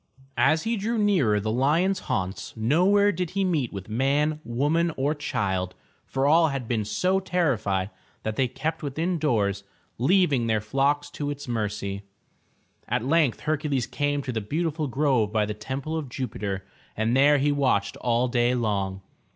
As he drew nearer the lion's haunts, nowhere did he meet with man, woman or child, for all had been so terrified, that they kept within doors, leaving their flocks to its mercy. At length Her cules came to the beautiful grove by the Temple of Jupiter and there he watched all day long.